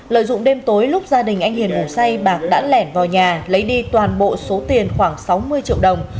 lợi dụng đêm tối lúc gia đình anh hiền ngủ say bạc đã lẻn vào nhà lấy đi toàn bộ số tiền khoảng sáu mươi triệu đồng